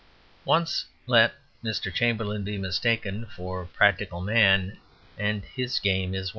Once let Mr. Chamberlain be mistaken for a practical man, and his game is won.